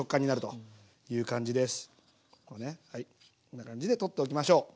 こんな感じで取っておきましょう。